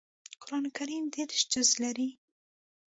قران کریم دېرش جزء لري